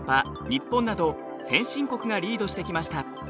日本など先進国がリードしてきました。